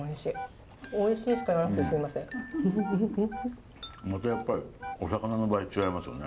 またやっぱりお魚の場合違いますよね。